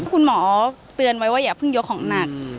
คุณหมอเตือนไว้ว่าอย่าเพิ่งยกของหนัก